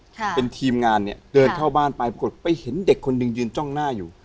ค่ะเป็นทีมงานเนี่ยเดินเข้าบ้านไปปรากฏไปเห็นเด็กคนหนึ่งยืนจ้องหน้าอยู่